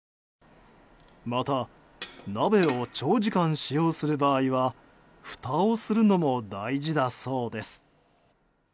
また、鍋を長時間使用する場合はふたをするの大事だそうです。